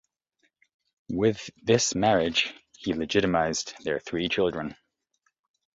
With this marriage he legitimized their three children.